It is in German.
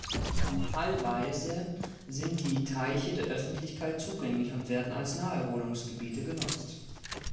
Teilweise sind die Teiche der Öffentlichkeit zugänglich und werden als Naherholungsgebiet genutzt.